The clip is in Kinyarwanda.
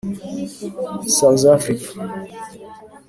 South Africa